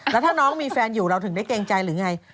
แล้วถ้าน้องมีแฟนอยู่เราถึงได้เกรงใจหรือไง